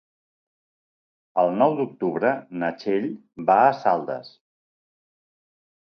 El nou d'octubre na Txell va a Saldes.